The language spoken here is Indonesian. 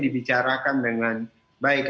dibicarakan dengan baik